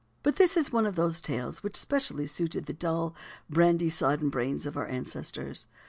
But this is one of those tales which specially suited the dull, brandy sodden brains of our ancestors.